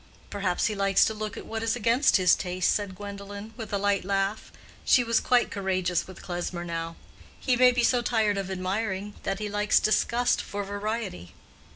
"Perhaps he likes to look at what is against his taste," said Gwendolen, with a light laugh; she was quite courageous with Klesmer now. "He may be so tired of admiring that he likes disgust for variety."